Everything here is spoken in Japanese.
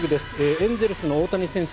エンゼルスの大谷選手